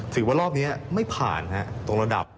ถือว่ารอบนี้ไม่ผ่านตรงระดับ